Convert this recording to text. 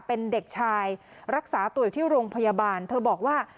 เป็นเด็กชายรักษาตัวอยู่ที่โรงพยาบาลเธอบอกว่า